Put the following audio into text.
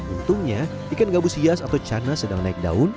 untungnya ikan gabus hias atau cana sedang naik daun